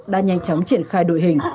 đã nhanh chóng triển khai đội hình